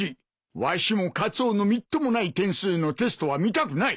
わしもカツオのみっともない点数のテストは見たくない。